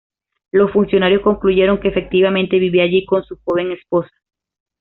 Los funcionarios concluyeron que efectivamente vivía allí con su joven esposa.